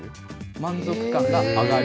満足感が上がる。